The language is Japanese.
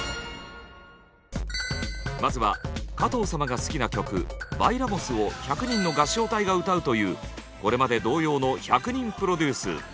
まずは加藤様が好きな曲「バイラモス」を１００人の合唱隊が歌うというこれまで同様の１００人プロデュース。